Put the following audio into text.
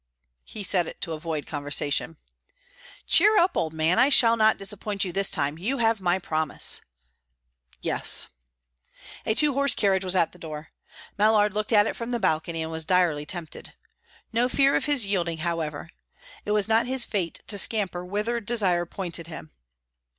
He said it to avoid conversation. "Cheer up, old man! I shall not disappoint you this time. You have my promise." "Yes." A two horse carriage was at the door. Mallard looked at it from the balcony, and was direly tempted. No fear of his yielding, however, It was not his fate to scamper whither desire pointed him.